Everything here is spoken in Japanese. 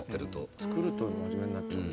作ると真面目になっちゃいますよね。